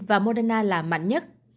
và moderna là mạnh nhất